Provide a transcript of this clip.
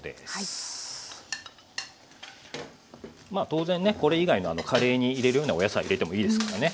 当然ねこれ以外のカレーに入れるようなお野菜入れてもいいですからね。